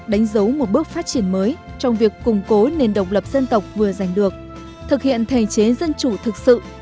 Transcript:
đánh dấu một bước phát triển mới trong việc củng cố nền độc lập dân tộc vừa giành được thực hiện thể chế dân chủ thực sự